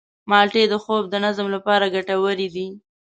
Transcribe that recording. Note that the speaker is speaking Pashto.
مالټې د خوب د نظم لپاره ګټورې دي.